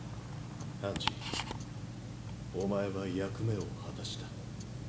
ハンジお前は役目を果たした。